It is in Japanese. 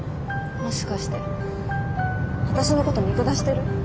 もしかして私のこと見下してる？